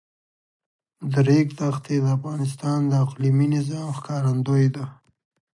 د ریګ دښتې د افغانستان د اقلیمي نظام ښکارندوی ده.